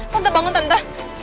tante bangun tante